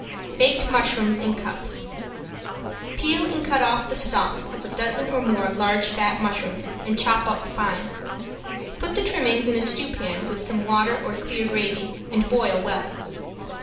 ~BAKED MUSHROOMS IN CUPS~ Peel and cut off the stalks of a dozen or more large fat mushrooms, and chop up fine. Put the trimmings in a stewpan with some water or clear gravy, and boil well.